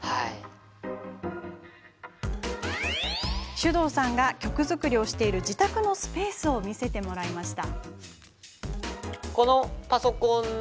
ｓｙｕｄｏｕさんが曲作りをしている自宅のスペースを見せてもらいました。